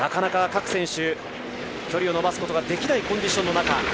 なかなか各選手、距離を目指すことができないコンディションの中。